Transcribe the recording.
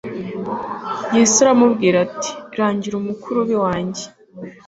Yesu aramubwira ati :« Ragira umukurubi wanjye,